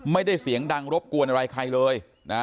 ไม่ได้เสียงดังรบกวนอะไรใครเลยนะ